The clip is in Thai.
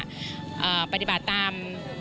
อ่าปฏิบัติตาม